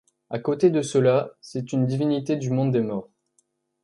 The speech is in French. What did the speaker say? À côté de cela, c'est une divinité du monde des morts.